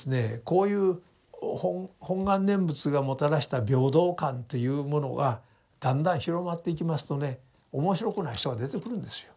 こういう本願念仏がもたらした平等観というものがだんだん広まっていきますとね面白くない人が出てくるんですよ。